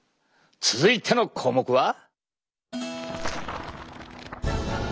続いての項目は。